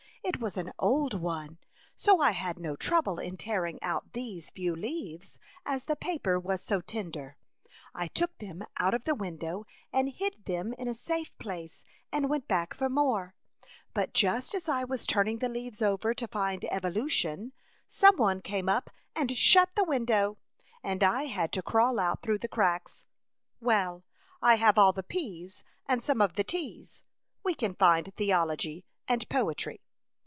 — It was an old one, so I had no trouble in tearing out these few leaves, as the paper was so tender. I took them out of the window and hid them in a safe place and went back for more, but just as I was turning the leaves over to find evolution, some 46 A Chautauqua Idyl. one came up and shut the window, and I had to crawl out through the cracks. Well, I have all the * P's ' and some of the ' T s '; we can find theology and poetry.